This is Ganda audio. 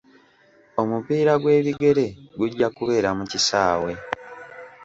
Omupiira gw'ebigere gujja kubeera mu kisaawe.